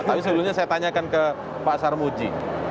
tapi sebelumnya saya tanyakan ke pak sarmuji